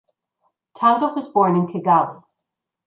Tanga was born in Kigali.